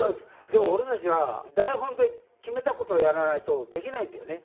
でも俺たちは台本で決めたことをやらないとできないんだよね。